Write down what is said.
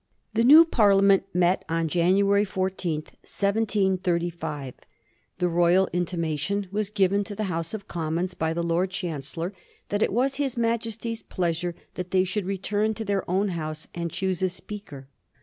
The new Parliament met on January 14, 1735. The Royal intimation was given to the House of Commons by the Lord Chancellor that it was his Majesty's pleasure that they should return to their own House and choose a Speaker.